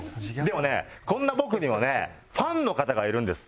でもねこんな僕にもねファンの方がいるんです。